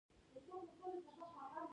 جلګه د افغانستان د اقلیم ځانګړتیا ده.